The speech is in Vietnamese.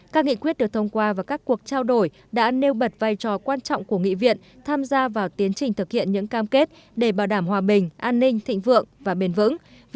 các nghị quyết được thông qua và các cuộc trao đổi đã nêu bật vai trò quan trọng của nghị viện tham gia vào tiến trình thực hiện những cam kết để bảo đảm hòa bình an ninh thịnh vượng và bền vững